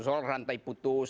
soal rantai putus